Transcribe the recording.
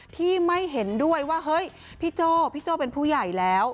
ที่ไม่เห็นด้วยว่าเฮ้ยพี่โจ้พี่โจ้เป็นผู้ใหญ่แล้ว